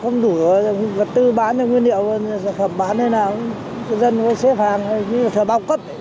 không đủ vật tư bán nguyên liệu sản phẩm bán hay nào dân có xếp hàng hay bao cấp